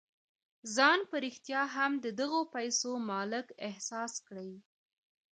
ځان په رښتيا هم د دغو پيسو مالک احساس کړئ.